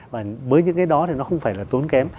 và với những cái đó thì nó không phải là tốn kém